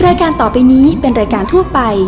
รายการต่อไปนี้เป็นรายการทั่วไป